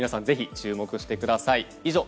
ぜひ注目してください。